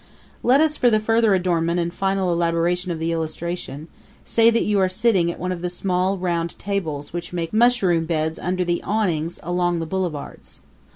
Let us, for the further adornment and final elaboration of the illustration, say that you are sitting at one of the small round tables which make mushroom beds under the awnings along the boulevards.